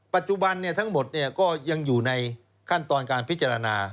ปัจจุบันทั้งหมดก็ยังอยู่ในขั้นตอนการพิจารณา